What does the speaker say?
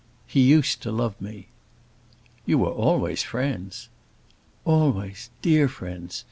He used to love me." "You were always friends." "Always; dear friends.